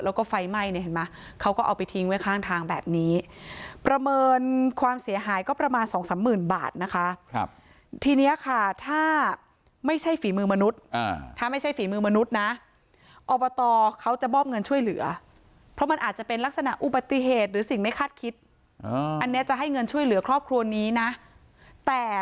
แล้วก็ไฟไหม้เนี่ยเห็นไหมเขาก็เอาไปทิ้งไว้ข้างทางแบบนี้ประเมินความเสียหายก็ประมาณสองสามหมื่นบาทนะคะครับทีเนี้ยค่ะถ้าไม่ใช่ฝีมือมนุษย์ถ้าไม่ใช่ฝีมือมนุษย์นะอบตเขาจะมอบเงินช่วยเหลือเพราะมันอาจจะเป็นลักษณะอุบัติเหตุหรือสิ่งไม่คาดคิดอันนี้จะให้เงินช่วยเหลือครอบครัวนี้นะแต่